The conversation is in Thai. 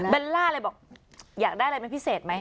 ล่าเลยบอกอยากได้อะไรเป็นพิเศษไหม